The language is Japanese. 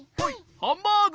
ハンバーグ。